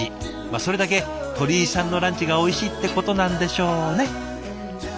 それだけ鳥居さんのランチがおいしいってことなんでしょうね。